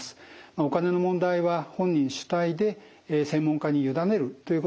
お金の問題は本人主体で専門家に委ねるということが大切です。